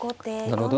なるほど。